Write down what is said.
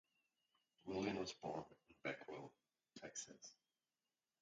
Williams was born in Beckville, Texas.